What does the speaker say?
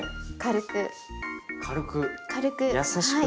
軽く優しく。